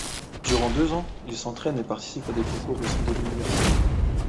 Durant deux ans, il s'entraîne et participe à des concours au sein de l'université.